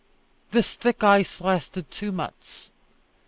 This thick ice lasted two months.